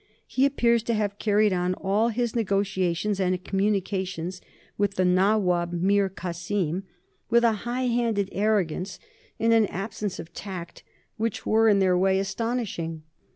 He appears to have carried on all his negotiations and communications with the Nawab Mir Kasim with a high handed arrogance and an absence of tact which were in their way astonishing.